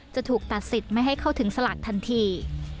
จะถูกตัดสิทธิ์ไม่ให้เข้าถึงสลากทันที